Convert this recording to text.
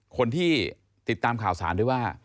คนที่ติดตามข่าวสารด้วยว่า